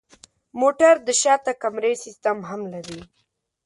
موټر د شاته کمرې سیستم هم لري.